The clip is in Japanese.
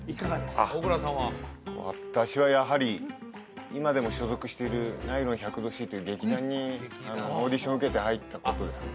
私はやはり今でも所属しているナイロン１００℃という劇団にオーディション受けて入ったことですね